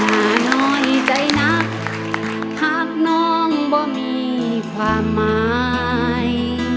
น้อยใจนักทักน้องบ่มีความหมาย